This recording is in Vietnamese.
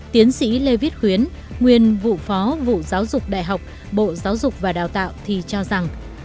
tiến sĩ lê viết khuyến nguyên vụ phó vụ giáo dục đại học bộ giáo dục và đào tạo thì cho rằng